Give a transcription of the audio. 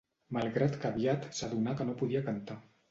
Malgrat que aviat s'adonà que no podia cantar.